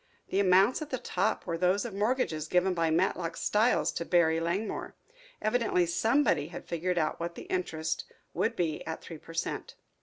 The amounts at the top were those of the mortgages given by Matlock Styles to Barry Langmore. Evidently somebody had figured out what the interest would be at three per cent.